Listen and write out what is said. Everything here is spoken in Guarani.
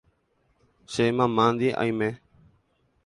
Che mamándi aime.